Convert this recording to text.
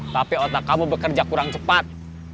tapi otak kamu bekerja kurang cepat